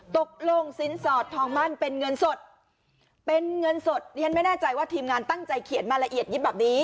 ตกลงสินสอดทองมั่นเป็นเงินสดเป็นเงินสดดิฉันไม่แน่ใจว่าทีมงานตั้งใจเขียนมาละเอียดยิบแบบนี้